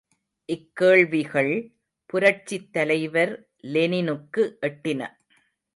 இக்கேள்விகள், புரட்சித் தலைவர் லெனினுக்கு எட்டின.